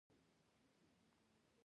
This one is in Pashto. افغانان قوي خلک دي.